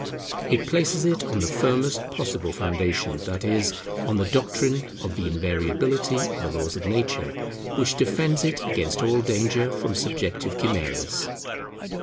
It places it on the firmest possible foundation, that is, on the doctrine of the invariability of the laws of nature, which defends it against all danger from subjective chimeras.